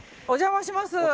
お邪魔します。